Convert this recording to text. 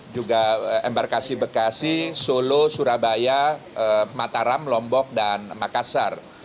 juga embarkasi bekasi solo surabaya mataram lombok dan makassar